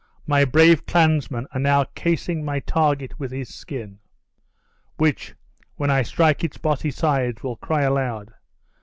My brave clansmen are now casing my target with his skin, which, when I strike its bossy sides, will cry aloud.